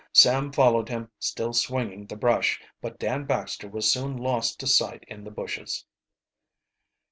Sam followed him, still swinging the brush, but Dan Baxter was soon lost to sight in the bushes.